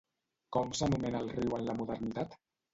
Com s'anomena el riu en la modernitat?